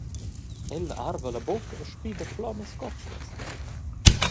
Ella arva la bucca e spida flommas cotschnas.